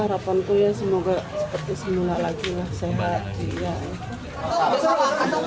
ya harapan tuh ya semoga seperti semula lagi lah sehat